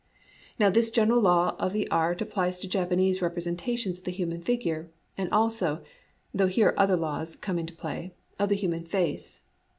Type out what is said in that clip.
Now this general law of the art applies to Japanese representations of the hirnian figure, and also (though here other laws too come into play) of the human face.